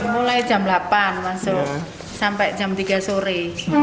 mulai jam delapan masuk sampai jam tiga sore